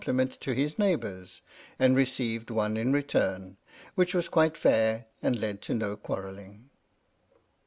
"PINAFORE" ment to his neighbours, and received one in return, which was quite fair and led to no quarrelling.